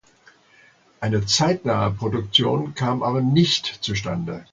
Eine zeitnahe Produktion kam aber nicht zustande.